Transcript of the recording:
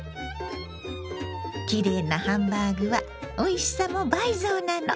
きれいなハンバーグはおいしさも倍増なの。